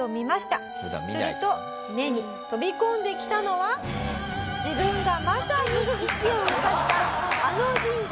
すると目に飛び込んできたのは自分がまさに石を動かしたあの神社。